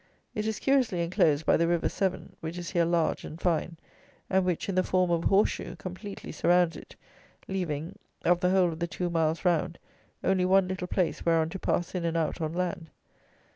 It is curiously enclosed by the river Severn, which is here large and fine, and which, in the form of a horse shoe, completely surrounds it, leaving, of the whole of the two miles round, only one little place whereon to pass in and out on land.